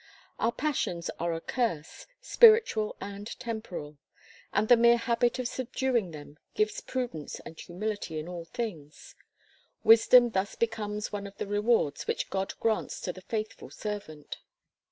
Our passions are our curse, spiritual and temporal; and the mere habit of subduing them gives prudence and humility in all things: wisdom thus becomes one of the rewards which God grants to the faithful servant.